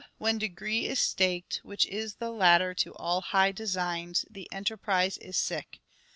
when degree is staked, Which is the ladder to all high designs, The enterprise is sick.